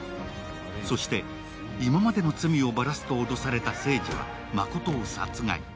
そして、今までの罪をばらすと脅されたせいは誠を殺害。